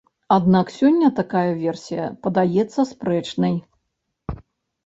Аднак сёння такая версія падаецца спрэчнай.